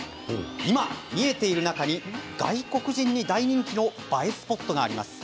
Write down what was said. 今、見えている中に外国人に大人気の映えスポットがあります。